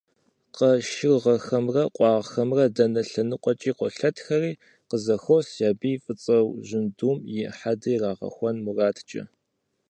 Къашыргъэхэмрэ къуаргъхэмрэ дэнэ лъэныкъуэкӀи къолъэтэхри къызэхуос, я бий фӀыцӀэу жьындум и хьэдэ ирагъэхуэн мурадкӀэ.